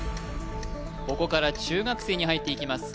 ここから中学生に入っていきます